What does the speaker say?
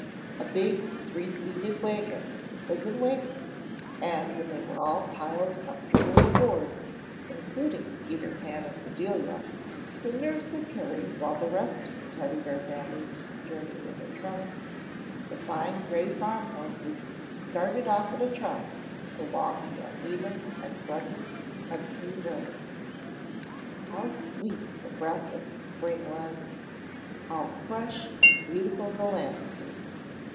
A big three seated wagon was in waiting and when they were all piled comfortably aboard, including Peter Pan and Bedelia, whom nurse had carried while the rest of the Teddy bear family journeyed in a trunk, the fine gray farm horses started off at a trot along the uneven and rutty country road. How sweet the breath of the spring was, how fresh and beautiful the landscape!